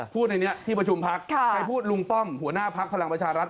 พูดในนี้ที่ประชุมพักใครพูดลุงป้อมหัวหน้าพักพลังประชารัฐ